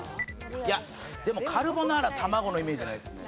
いやでもカルボナーラ卵のイメージないですね。